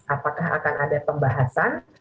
apakah akan ada pembahasan